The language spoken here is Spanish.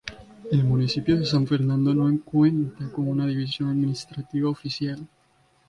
El municipio de San Fernando no cuenta con una división administrativa oficial.